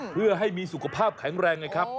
เพื่อให้มีสุขภาพแข็งแรงไงครับ